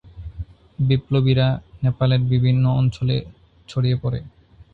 বিপ্লবীরা নেপালের বিভিন্ন অঞ্চলে ছড়িয়ে পড়ে।